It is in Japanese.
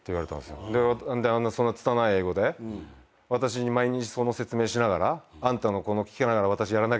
「そのつたない英語で私に毎日その説明しながらあんたのこの聞きながら私やらなきゃいけないの？」